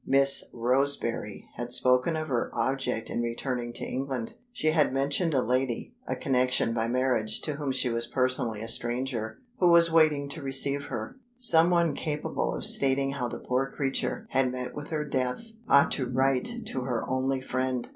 Miss Roseberry had spoken of her object in returning to England. She had mentioned a lady a connection by marriage, to whom she was personally a stranger who was waiting to receive her. Some one capable of stating how the poor creature had met with her death ought to write to her only friend.